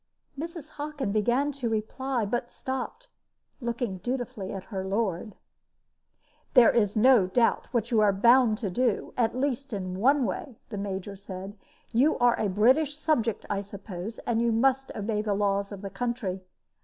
Mrs. Hockin began to reply, but stopped, looking dutifully at her lord. "There is no doubt what you are bound to do, at least in one way," the Major said. "You are a British subject, I suppose, and you must obey the laws of the country.